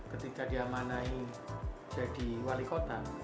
ketika diamanai jadi wali kota